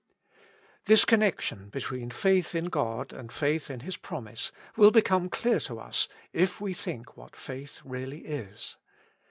This connection between faith in God and faith in His promise will become clear to us if we think what faith really is.